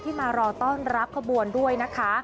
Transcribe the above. มารอต้อนรับขบวนด้วยนะคะ